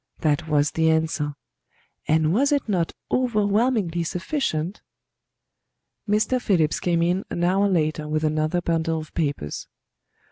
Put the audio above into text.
That was the answer; and was it not overwhelmingly sufficient? Mr. Phillips came in an hour later with another bundle of papers.